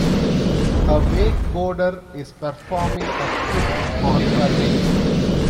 A wakeboarder is performing a trick on a rail.